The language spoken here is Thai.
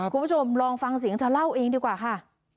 คุณผู้ชมลองฟังเสียงเธอเล่าเองดีกว่าค่ะ